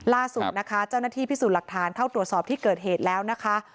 ล่าสุดนะคะเจ้าหน้าที่พิสูจน์หลักฐานเข้าตรวจสอบที่เกิดเหตุแล้วนะคะ